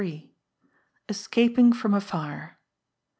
Escaping from a Fire.